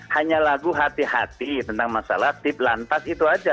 hanya lagu hati hati tentang masalah tip lantas itu saja